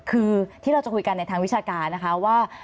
คือที่เราจะคุยกันในทางวิชาการนะคะว่า